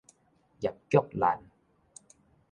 葉菊蘭